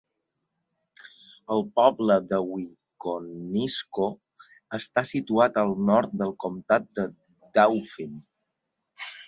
El poble de Wiconisco està situat al nord del comptat de Dauphin.